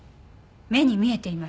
目に見えています。